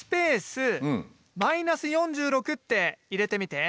って入れてみて。